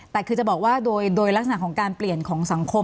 แต่คือจะบอกว่าโดยลักษณะของการเปลี่ยนของสังคม